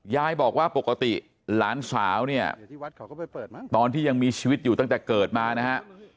ยายบอกว่าปกติหลานสาวเนี่ยตอนที่ยังมีชีวิตอยู่ตั้งแต่เกิดมานะฮะ